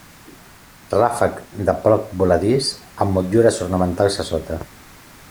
Ràfec de poc voladís, amb motllures ornamentals a sota.